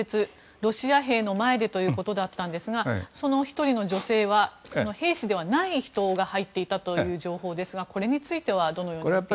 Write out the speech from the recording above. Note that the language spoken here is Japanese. ロシア兵の前でということだったんですがその１人の女性は兵士ではない人が入っていたという情報ですがこれについてはどのように見ますか？